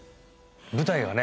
舞台がね